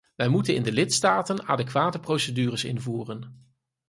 Wij moeten in de lidstaten adequate procedures invoeren.